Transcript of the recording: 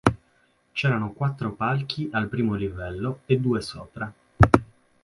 C'erano quattro palchi al primo livello e due sopra.